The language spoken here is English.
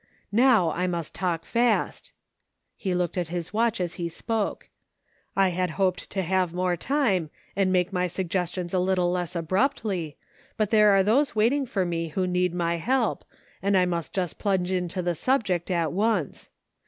Now I must talk fast;" he looked at his watch as he spoke. "I had hoped to have more time, and make my sugges tions a little less abruptly, but there are those waiting for me who need my help, and I must just plunge into the subject at once.